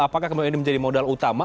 apakah kemudian ini menjadi modal utama